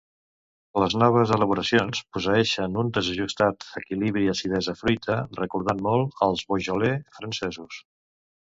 Les noves elaboracions posseeixen un desajustat equilibri acidesa-fruita, recordant molt als Beaujolais francesos.